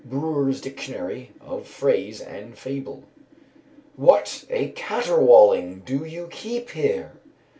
BREWER'S Dictionary of Phrase and Fable. "What a caterwawling do you keep here!"